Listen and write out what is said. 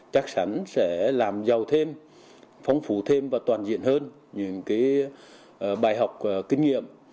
chắc chắn sẽ làm giàu thêm phong phú thêm và toàn diện hơn những bài học kinh nghiệm